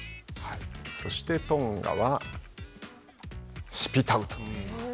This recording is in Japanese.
そしてトンガはシピタウと。